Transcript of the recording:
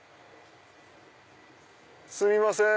すいません！